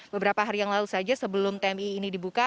beberapa hari yang lalu saja sebelum tmi ini dibuka